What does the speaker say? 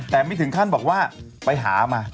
แต่ไม่ถึงขั้นบอกว่าไปหามา